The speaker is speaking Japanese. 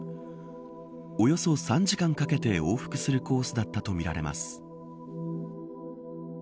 およそ３時間かけて往復するコースだったとみられます。